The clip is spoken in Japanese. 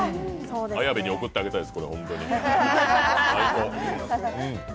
綾部に贈ってあげたいです。